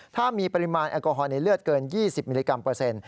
ถ้ามีปริมาณแอลกอฮอลในเลือดเกิน๒๐มิลลิกรัมเปอร์เซ็นต